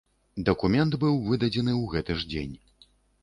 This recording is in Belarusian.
Дакумент быў выдадзены ў гэты ж дзень.